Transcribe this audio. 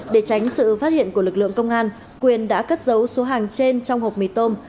để tránh sự phát hiện của lực lượng công an quyền đã cất dấu số hàng trên trong hộp mì tôm